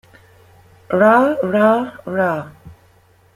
Rah, rah, rah!!!